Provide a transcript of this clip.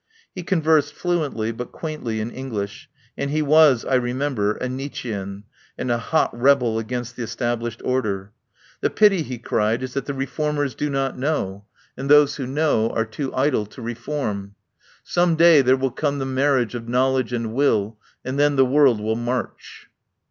He conversed fluently, but quaintly in English, and he was, I remember, a Nietzschean, and a hot rebel against the established order. "The pity," he cried, "is that the reformers do not know, and those who 7 6 TELLS OF A MIDSUMMER NIGHT know are too idle to reform. Some day there will come the marriage of knowledge and will, and then the world will march."